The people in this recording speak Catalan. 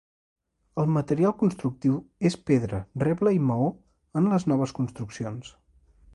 El material constructiu és pedra, reble, i maó en les noves construccions.